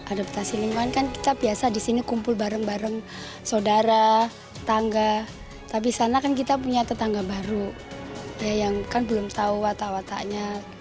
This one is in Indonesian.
adaptasi lingkungan kan kita biasa di sini kumpul bareng bareng saudara tangga tapi sana kan kita punya tetangga baru yang kan belum tahu watak wataknya